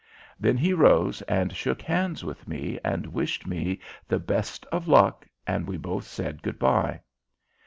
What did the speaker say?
Then he rose and shook hands with me and wished me the best of luck, and we both said, "Good by."